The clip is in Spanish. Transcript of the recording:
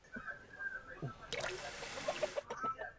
La respuesta, sin embargo, fue un falso espejismo.